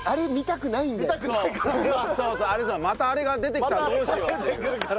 またあれが出てきたらどうしようっていう。